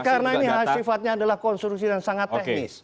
karena ini sifatnya konstruksi yang sangat teknis